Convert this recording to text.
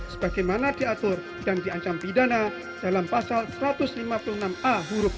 sebagaimana diatur dan diancam pidana dalam pasal satu ratus lima puluh enam a huruf